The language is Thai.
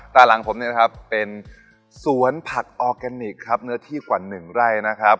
ตราหลังผมเป็นสวนผักออร์แกนิคเนื้อที่๑ไหล่นะครับ